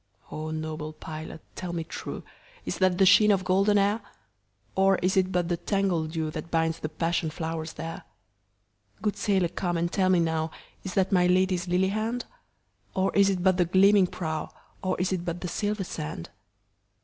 O noble pilot tell me trueIs that the sheen of golden hair? Or is it but the tangled dewThat binds the passion flowers there? Good sailor come and tell me nowIs that my Lady's lily hand? Or is it but the gleaming prow, Or is it but the silver sand?